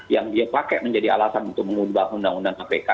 yang dia pakai menjadi alasan untuk mengubah undang undang kpk